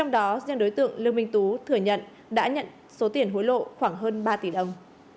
đối tượng lương minh tú thừa nhận đã nhận số tiền hối lộ khoảng hơn ba tỷ đồng